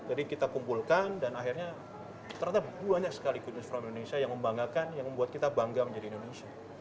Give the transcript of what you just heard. jadi kita kumpulkan dan akhirnya ternyata banyak sekali good news from indonesia yang membanggakan yang membuat kita bangga menjadi indonesia